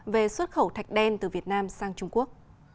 về xuất khẩu thạch đen từ việt nam sang trung quốc